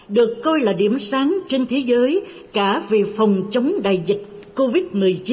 được coi là điểm sáng trên thế giới cả về phòng chống đại dịch covid một mươi chín